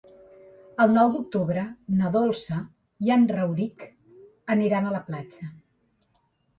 El nou d'octubre na Dolça i en Rauric aniran a la platja.